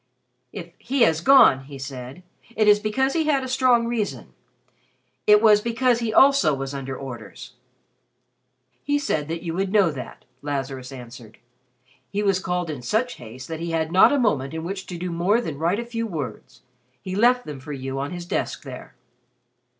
"If he has gone," he said, "it is because he had a strong reason. It was because he also was under orders." "He said that you would know that," Lazarus answered. "He was called in such haste that he had not a moment in which to do more than write a few words. He left them for you on his desk there."